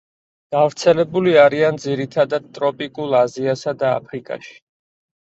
გავრცელებული არიან ძირითადად ტროპიკულ აზიასა და აფრიკაში.